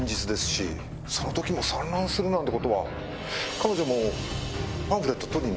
彼女も。